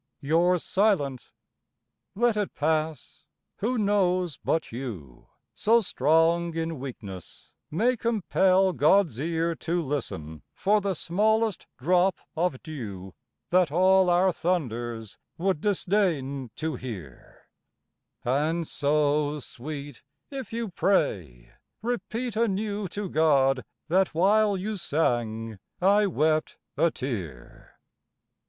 You're silent! let it pass; who knows but you, So strong in weakness, may compel God's ear To listen for the smallest drop of dew That all our thunders would disdain to hear: And so, Sweet, if you pray, repeat anew To God, that while you sang I wept a tear!